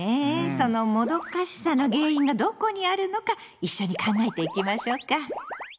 そのもどかしさの原因がどこにあるのか一緒に考えていきましょうか。